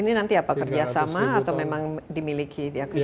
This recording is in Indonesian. jadi ini bergaya sama atau memang dimiliki di akusisi